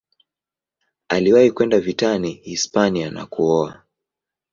Aliwahi kwenda vitani Hispania na kuoa.